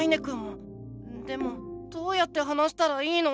でもどうやって話したらいいの？